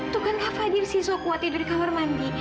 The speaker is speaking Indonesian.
tuh kan kak fadil sih soal kuat tidur di kamar mandi